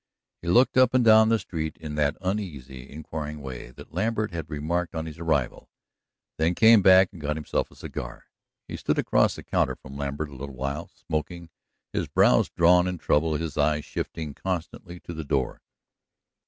He looked up and down the street in that uneasy, inquiring way that Lambert had remarked on his arrival, then came back and got himself a cigar. He stood across the counter from Lambert a little while, smoking, his brows drawn in trouble, his eyes shifting constantly to the door.